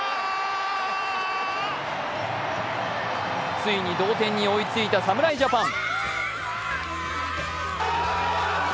ついに同点に追いついた侍ジャパン。